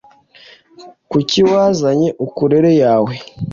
Kuki wazanye ukulele yawe?